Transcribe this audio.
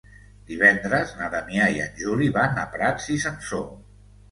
Divendres na Damià i en Juli van a Prats i Sansor.